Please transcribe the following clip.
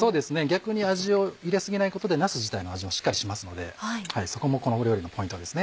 逆に味を入れ過ぎないことでなす自体の味もしっかりしますのでそこもこの料理のポイントです。